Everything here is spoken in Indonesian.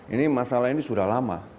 ini masalah ini sudah lama